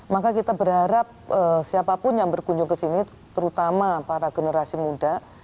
maka kita berharap siapapun yang berkunjung ke sini terutama para generasi muda